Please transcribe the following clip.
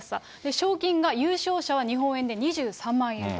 賞金が優勝者は日本円で２３万円と。